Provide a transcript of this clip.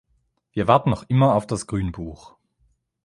Wir warten noch immer auf das Grünbuch.